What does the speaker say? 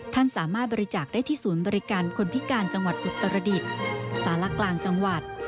ท่านสามารถบริจาคได้ที่ศูนย์บริการคนพิการจังหวัดอุตรดิษฐ์สารกลางจังหวัด